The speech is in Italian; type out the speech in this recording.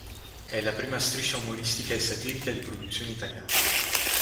È la prima striscia umoristica e satirica di produzione italiana.